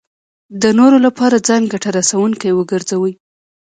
د نورو لپاره ځان ګټه رسوونکی وګرځوي.